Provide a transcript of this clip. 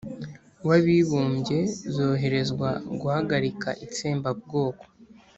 w'abibumbye zoherezwa guhagarika itsembabwoko,